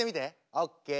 オッケー。